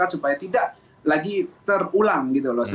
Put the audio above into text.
supaya tidak lagi terulang